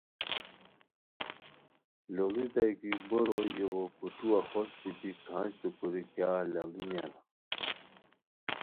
لُوڑیتائے کی بو روئے ایغو کوٹھووا ہوست دیتی کھانجتو کوری کیاغ لاڑینیان